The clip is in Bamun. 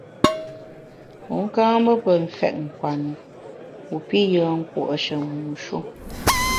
Wu ka mbe pe mfèt nkwenu wu pi yùen nkùo’she mu shu.